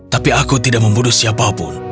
tapi aku tidak membunuh siapapun